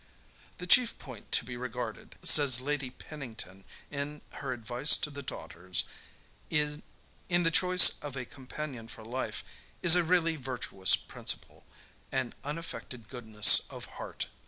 "The chief point to be regarded," says Lady Pennington in her Advice to her Daughters, "in the choice of a companion for life, is a really virtuous principle an unaffected goodness of heart.